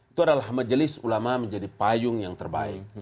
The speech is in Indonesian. itu adalah majelis ulama menjadi payung yang terbaik